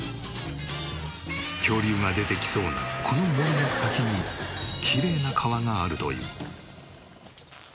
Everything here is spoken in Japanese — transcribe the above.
恐竜が出てきそうなこの森の先にもきれいな川があるという。